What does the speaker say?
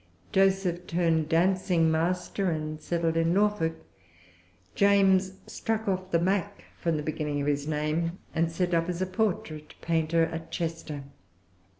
Joseph turned dancing master, and settled in Norfolk. James struck off the Mac from the beginning of his name, and set up as a portrait painter at Chester.